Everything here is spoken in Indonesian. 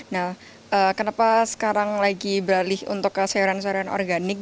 nah kenapa sekarang lagi beralih untuk sayuran sayuran organik